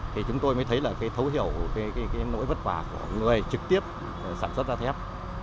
thì chúng tôi mới thấy là cái thấu hiểu cái nỗi vất vả của người trực tiếp sản xuất ra thép